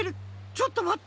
ちょっとまって！